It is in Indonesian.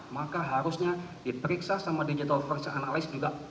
maka harusnya diperiksa sama digital forensik analyst juga